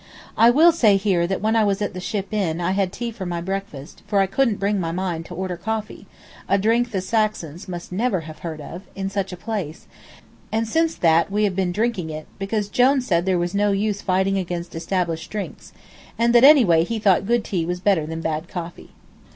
I will say here that when I was at the Ship Inn I had tea for my breakfast, for I couldn't bring my mind to order coffee a drink the Saxons must never have heard of in such a place; and since that we have been drinking it because Jone said there was no use fighting against established drinks, and that anyway he thought good tea was better than bad coffee.